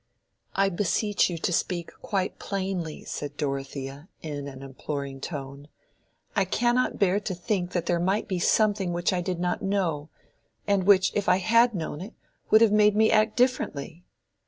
"I beseech you to speak quite plainly," said Dorothea, in an imploring tone. "I cannot bear to think that there might be something which I did not know, and which, if I had known it, would have made me act differently."